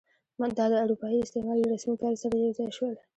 دا د اروپایي استعمار له رسمي پیل سره یو ځای شول.